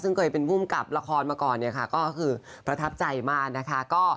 ซึ่งเคยเป็นผู้กลับละครมาก่อนก็คือประทับใจมาก